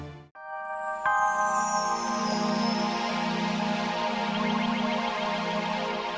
terima kasih pak